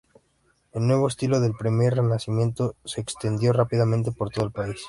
El nuevo estilo del Primer Renacimiento se extendió rápidamente por todo el país.